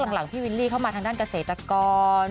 พรรคหลังพี่วินฟาร์มเข้ามาทางด้านเกษตรกร